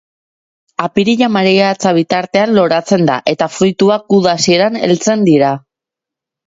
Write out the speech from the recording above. Apirila-maiatza bitartean loratzen da eta fruituak uda hasieran heltzen dira.